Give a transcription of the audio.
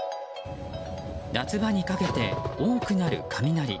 夏場にかけて多くなる雷。